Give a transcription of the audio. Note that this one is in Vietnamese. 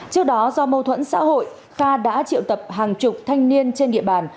trước đó do mâu thuẫn xã hội kha đã triệu tập hàng chục thanh niên trên địa bàn